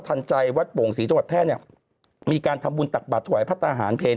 ทันใจวัดโป่ง๔จังหวัดแพทย์มีการทำบุญตรักบาทสวยพระสารเพลง